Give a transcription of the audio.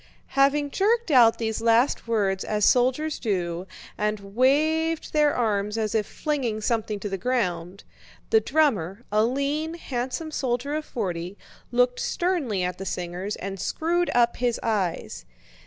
Having jerked out these last words as soldiers do and waved his arms as if flinging something to the ground, the drummer—a lean, handsome soldier of forty—looked sternly at the singers and screwed up his eyes.